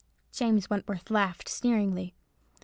James Wentworth laughed sneeringly.